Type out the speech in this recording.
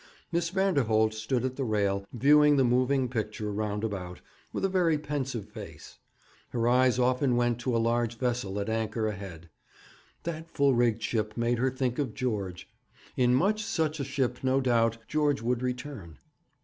Miss Vanderholt stood at the rail viewing the moving picture round about, with a very pensive face. Her eyes often went to a large vessel at anchor ahead. That full rigged ship made her think of George. In much such a ship, no doubt, George would return.